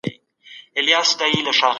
د کلتور د روزنې د پروسو د ارزولو غوښتنه لري.